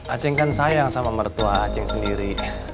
aceheng kan sayang sama mertua aceheng sendiri